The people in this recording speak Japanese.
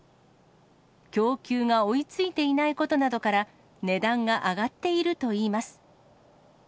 供給が追いついていないことなどから、値段が上がっているといいます。